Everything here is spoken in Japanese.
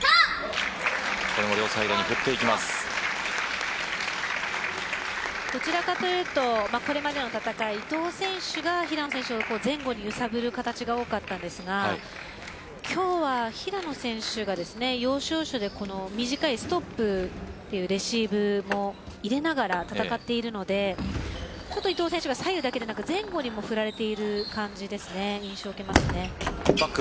これも両サイドにどちらかというとこれまでの戦い伊藤選手が平野選手を前後に揺さぶる形が多かったですが今日は平野選手が要所要所で短いストップというレシーブを入れながら戦っているので伊藤選手は左右だけではなく前後にも振られている感じですね。